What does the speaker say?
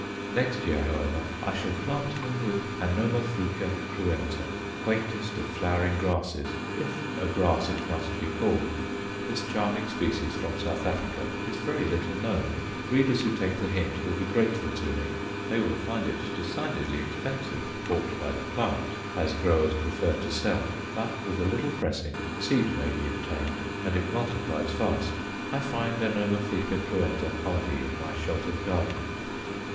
Next year, however, I shall plant them with Anomatheca cruenta quaintest of flowering grasses, if a grass it must be called. This charming species from South Africa is very little known; readers who take the hint will be grateful to me. They will find it decidedly expensive bought by the plant, as growers prefer to sell. But, with a little pressing seed may be obtained, and it multiplies fast. I find Anomatheca cruenta hardy in my sheltered garden.